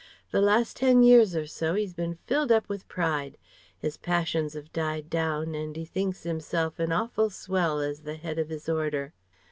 The last ten years or so 'e's bin filled up with pride. 'Is passions 'ave died down and 'e thinks 'imself an awful swell as the head of his Order.